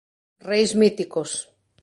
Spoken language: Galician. Reis míticos.